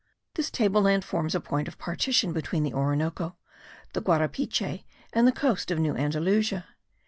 This table land forms a point of partition between the Orinoco, the Guarapiche, and the coast of New Andalusia.